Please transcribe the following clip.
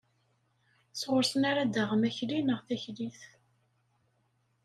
Sɣur-sen ara d-taɣem akli neɣ taklit.